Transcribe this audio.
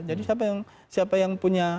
jadi siapa yang punya